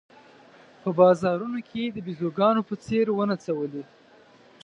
په بازارونو کې د بېزوګانو په څېر ونڅولې.